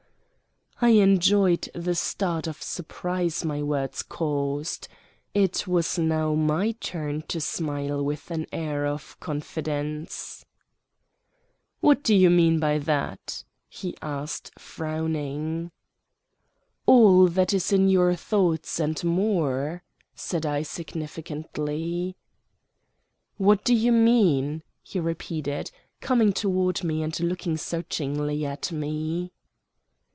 I enjoyed the start of surprise my words caused. It was now my turn to smile with an air of confidence. "What do you mean by that?" he asked, frowning. "All that is in your thoughts, and more," said I significantly. "What do you mean?" he repeated, coming toward me and looking searchingly at me.